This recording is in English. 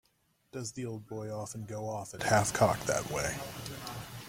Does the old boy often go off at half-cock that way.